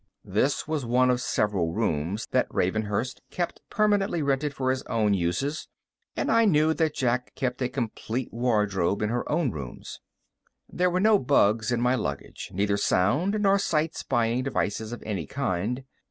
This was one of several rooms that Ravenhurst kept permanently rented for his own uses, and I knew that Jack kept a complete wardrobe in her own rooms. There were no bugs in my luggage neither sound nor sight spying devices of any kind.